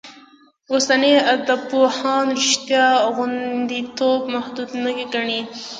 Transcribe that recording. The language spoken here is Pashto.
اوسني ادبپوهان رشتیا غوندېتوب محدود نه ګڼي.